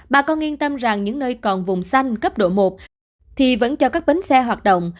bà con yên tâm rằng những nơi còn vùng xanh cấp độ một thì vẫn cho các bến xe hoạt động